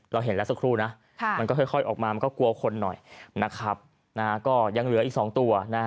เราเห็นแล้วสักครู่นะมันก็ค่อยออกมามันก็กลัวคนหน่อยนะครับก็ยังเหลืออีก๒ตัว